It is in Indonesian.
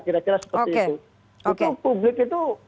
kira kira seperti itu itu publik itu